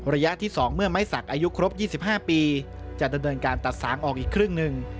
ระยะที่๒เมื่อไม้สักอายุครบ๒๕ปีจะดำเนินการตัดสางออกอีกครึ่งหนึ่ง